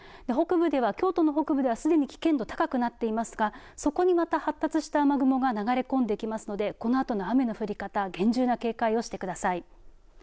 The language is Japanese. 京都の北部ではすでに危険度高くなっていますがそこにまた発達した雨雲が流れ込んできますのでこのあとの雨の降り方厳重な警戒をしてください。